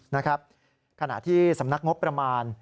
นะครับขณะที่สำนักงบประมาณ